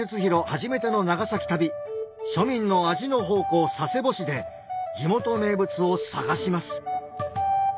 初めての長崎旅庶民の味の宝庫佐世保市で地元名物を探します